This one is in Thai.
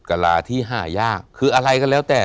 กะลาที่หายากคืออะไรก็แล้วแต่